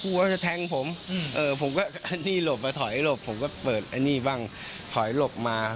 ว่าจะแทงผมผมก็อันนี้หลบอ่ะถอยหลบผมก็เปิดไอ้นี่บ้างถอยหลบมา